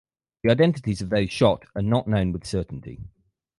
The identities of those shot are not known with certainty.